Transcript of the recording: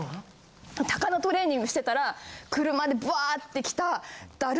鷹のトレーニングしてたら車でバーッて来た。